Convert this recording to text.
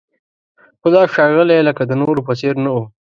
خو دا ښاغلی لکه د نورو په څېر نه و.